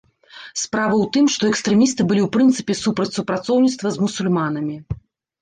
Справа ў тым, што экстрэмісты былі ў прынцыпе супраць супрацоўніцтва з мусульманамі.